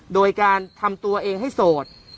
โดยการทำตัวเองให้โสด